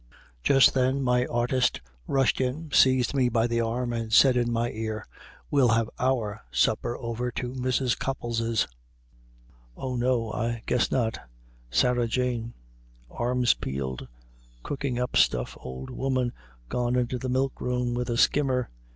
Just then my artist rushed in, seized me by the arm, and said in my ear, "We'll have our supper over to Mrs. Copples's. O no, I guess not Sarah Jane arms peeled cooking up stuff old woman gone into the milk room with a skimmer."